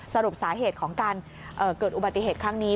สรุปสาเหตุของการเกิดอุบัติเหตุครั้งนี้